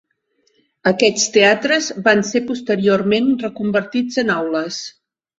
Aquests teatres van ser posteriorment reconvertits en aules.